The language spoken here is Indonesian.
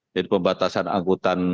jadi pembatasan angkutan